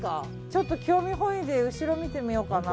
ちょっと興味本位で後ろ見てみようかな。